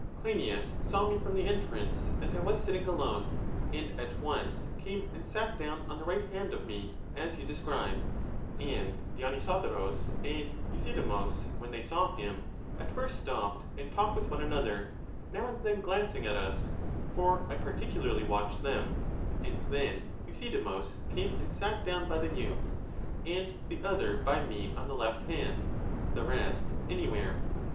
Cleinias saw me from the entrance as I was sitting alone, and at once came and sat down on the right hand of me, as you describe; and Dionysodorus and Euthydemus, when they saw him, at first stopped and talked with one another, now and then glancing at us, for I par ticularly watched them; and then Euthydemus came and sat down by the youth, and the other by me on the left hand ; the rest anywhere.